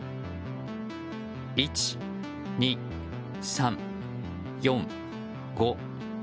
１、２、３、４、５。